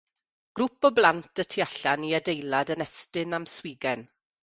Grŵp o blant y tu allan i adeilad yn estyn am swigen.